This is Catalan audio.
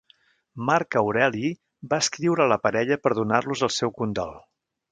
Marc Aureli va escriure a la parella per donar-los el seu condol.